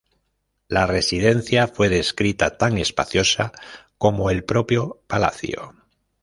La residencia fue descrita tan espaciosa como el propio palacio.